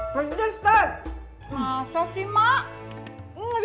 benceng masalah sih mak ngobain diri